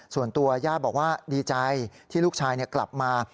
ส่วนตัวย่าบอกว่าดีใจที่ลูกชายกลับมา